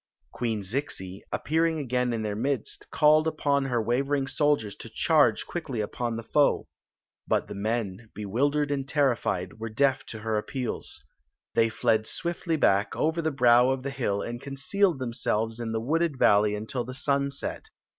Queen Zixi, appearing again in their midst, called upon her wavering soldiers to charge quickly upon the foe. But the men, bewildered and terrified, were deaf to her appeals. They fled swiftly back, over the brow <^ the hill, and concealed themselves in the wooded valley until the sun set.